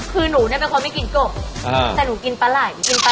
คือหนูเนี่ยเป็นคนไม่กินกบแต่หนูกินปลาไหล่